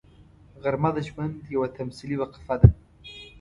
غرمه د ژوند یوه تمثیلي وقفه ده